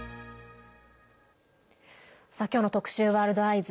今日の特集「ワールドＥＹＥＳ」。